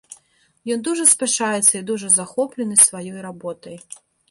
Ён дужа спяшаецца і дужа захоплены сваёй работай.